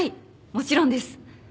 もちろんです。